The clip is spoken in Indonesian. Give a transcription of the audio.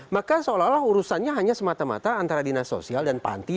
maka seolah olah urusannya hanya semata mata antara dinas sosial dan panti